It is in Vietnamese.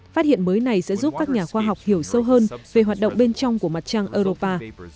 phát hiện mới này sẽ giúp các nhà khoa học hiểu sâu hơn về hoạt động bên trong của mặt trăng europa